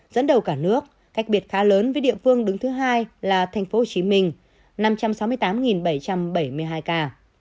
dẫn đầu cả nước cách biệt khá lớn với địa phương đứng thứ hai là thành phố hồ chí minh năm trăm sáu mươi tám bảy trăm bảy mươi hai ca